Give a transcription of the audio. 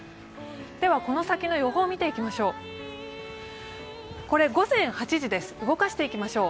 この先の予報を見ていきましょう。